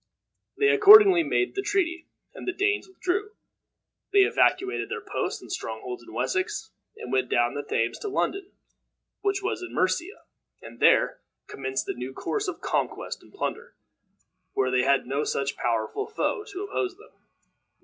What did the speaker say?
They accordingly made the treaty, and the Danes withdrew. They evacuated their posts and strong holds in Wessex, and went down the Thames to London, which was in Mercia, and there commenced a new course of conquest and plunder, where they had no such powerful foe to oppose them.